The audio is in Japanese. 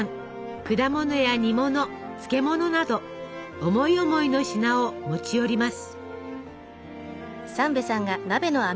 果物や煮物漬物など思い思いの品を持ち寄ります。